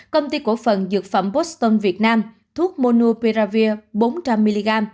công ty cổ phần dược phẩm boston việt nam thuốc monupiravir bốn trăm linh mg